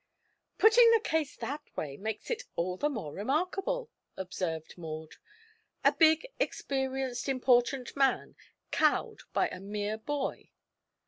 "Putting the case that way makes it all the more remarkable," observed Maud. "A big, experienced, important man, cowed by a mere boy.